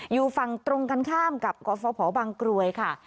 อยู่ฝั่งตรงกันข้ามกับกฟภบางกรวยค่ะ